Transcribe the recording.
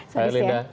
terima kasih ya